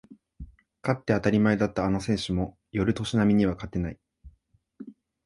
勝って当たり前だったあの選手も寄る年波には勝てない